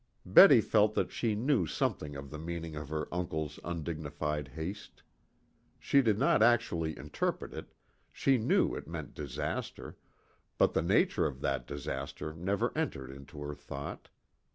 Betty felt that she knew something of the meaning of her uncle's undignified haste. She did not actually interpret it, she knew it meant disaster, but the nature of that disaster never entered into her thought.